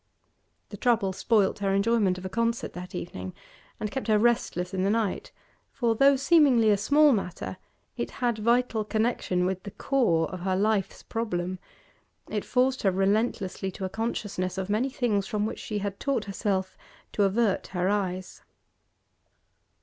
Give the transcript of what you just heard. The trouble spoilt her enjoyment of a concert that evening, and kept her restless in the night, for, though seemingly a small matter, it had vital connection with the core of her life's problem; it forced her relentlessly to a consciousness of many things from which she had taught herself to avert her eyes.